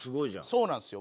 そうなんですよ。